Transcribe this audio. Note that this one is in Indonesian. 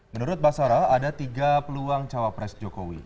menurut basara ada tiga peluang cawapres jokowi